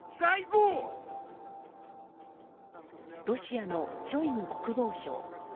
ロシアのショイグ国防相。